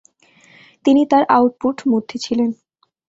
তিনি তার আউটপুট মধ্যে ছিল।